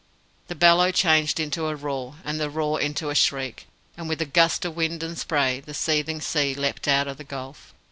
The bellow changed into a roar, the roar into a shriek, and with a gust of wind and spray, the seething sea leapt up out of the gulf.